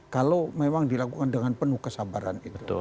kalau memang dilakukan dengan penuh kesabaran itu